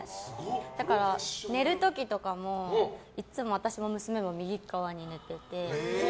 だから、寝る時とかもいつも私も娘も右側に寝ていて。